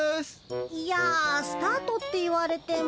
いやスタートって言われても。